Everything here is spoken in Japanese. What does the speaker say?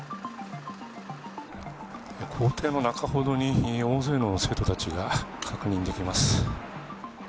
校庭の中ほどに大勢の生徒たちが確認できます。